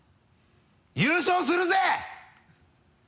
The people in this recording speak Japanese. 優勝するぜ！」